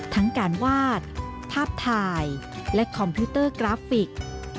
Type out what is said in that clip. ทั้งการวาดภาพถ่ายและคอมพิวเตอร์กราฟิก